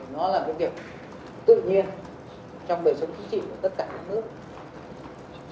nó là một kiểu tự nhiên trong bởi sống chính trị của tất cả các nước